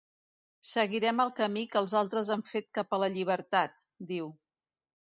Seguirem el camí que els altres han fet cap a la llibertat, diu.